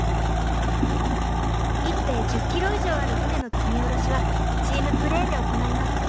１艇１０ｋｇ以上ある船の積み降ろしはチームプレーで行います。